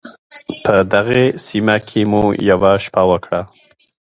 په دغې سیمه کې مو یوه شپه وکړه.